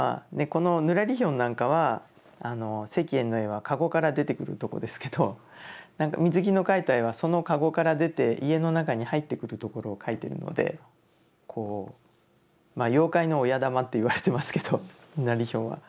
このぬらりひょんなんかは石燕の絵は駕籠から出てくるとこですけど水木の描いた絵はその駕籠から出て家の中に入ってくるところを描いてるのでまあ妖怪の親玉っていわれてますけどぬらりひょんは。